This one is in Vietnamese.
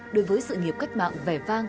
đối với sự nghiệp cách mạng vẻ vang